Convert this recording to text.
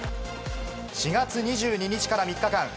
４月２１日から３日間